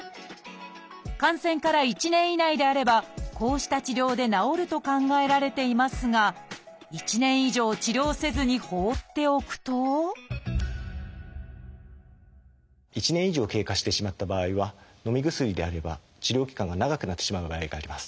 感染から１年以内であればこうした治療で治ると考えられていますが１年以上治療せずに放っておくと１年以上経過してしまった場合はのみ薬であれば治療期間が長くなってしまう場合があります。